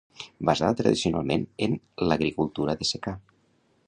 Basada tradicionalment en l'agricultura de secà.